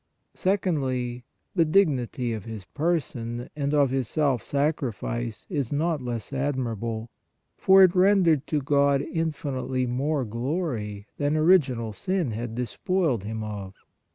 Secondly, the dignity of His Person and of His self sacrifice is not less admirable, for it rendered to God infinitely more glory than original sin had despoiled Him of.